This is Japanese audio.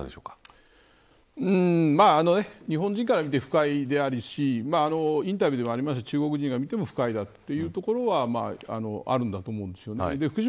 日本人から見て不快ですしインタビューでもありましたが中国人から見ても不快だということがあると思います。